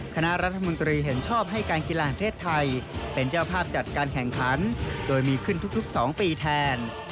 คณะรัฐมนตรีเห็นชอบให้การกีฬาแห่งประเทศไทยเป็นเจ้าภาพจัดการแข่งขันโดยมีขึ้นทุก๒ปีแทน